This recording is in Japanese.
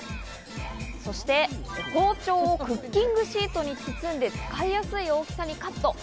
そして包丁をクッキングシートに包んで使いやすい大きさにカット。